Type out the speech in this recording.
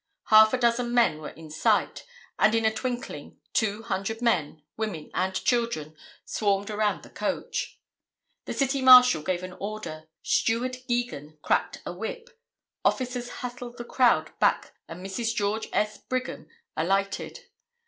Half a dozen men were in sight, and in a twinkling two hundred men, women and children swarmed around the coach. The City Marshal gave an order, Steward Geagan cracked a whip, officers hustled the crowd back and Mrs. George S. Brigham alighted.